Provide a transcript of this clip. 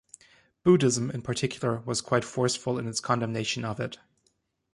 Buddhism in particular was quite forceful in its condemnation of it.